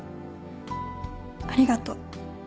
ありがとう。